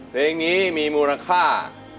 เพลงนี้มีมูลค่า